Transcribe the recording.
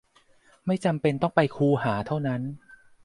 ไม่จำเป็นต้องไปคูหาเท่านั้น